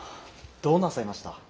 どうなさいました？